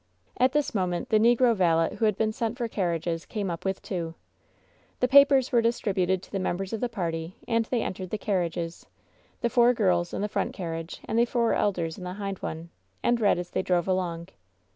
At this moment the negro valet who had been sent for carriages came up with two. The papers were distributed to the members of the party and they entered the carriages, the four girls in the front carriage, and the four elders in the hind one — and read as they drove along.